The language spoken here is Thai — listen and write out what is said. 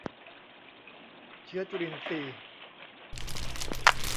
เชื้อจุลินทรีย์